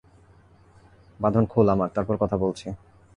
বাঁধন খুল আমার, তারপর কথা বলছি।